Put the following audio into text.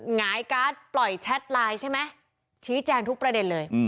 หงายการ์ดปล่อยแชทไลน์ใช่ไหมชี้แจงทุกประเด็นเลย